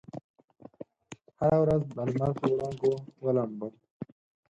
هره ورځ دلمر په وړانګو ولامبم